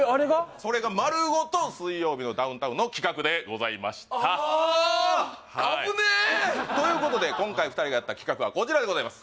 それが丸ごと「水曜日のダウンタウン」の企画でございましたあっあっ危ねえ！ということで今回２人がやった企画はこちらでございます